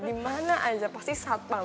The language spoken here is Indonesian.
dimana aja pasti satpam